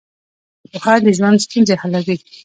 پوهه د ژوند ستونزې حلوي.